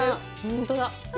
本当だ！